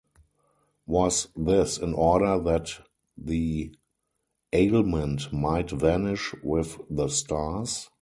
Was this in order that the ailment might vanish with the stars?